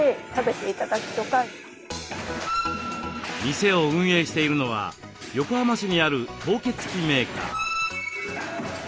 店を運営しているのは横浜市にある凍結機メーカー。